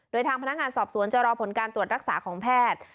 โดยทางพนักงานสอบสวนจะรอผลการตรวจรักษาของแพทย์